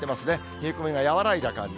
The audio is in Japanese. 冷え込みが和らいだ感じ。